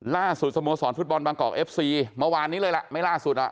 สโมสรฟุตบอลบางกอกเอฟซีเมื่อวานนี้เลยล่ะไม่ล่าสุดอ่ะ